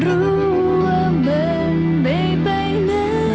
รู้ว่ามันไม่ไปนะ